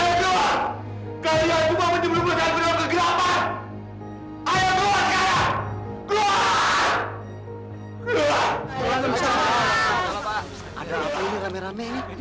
setiap hari aku memuji kamu mengabdiimu membandingkan kamu dan memberikan kamu sesatir